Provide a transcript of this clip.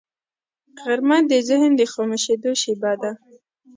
غرمه د ذهن د خاموشیدو شیبه ده